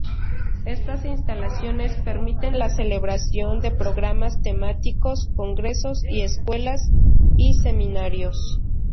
Estas instalaciones permiten la celebración de programas temáticos, congresos y escuelas y seminarios.